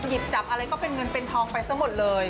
หยิบจับอะไรก็เป็นเงินเป็นทองไปซะหมดเลย